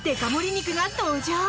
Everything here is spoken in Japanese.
肉が登場。